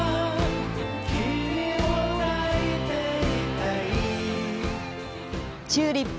「君をだいていたい」